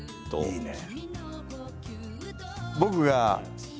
いいね。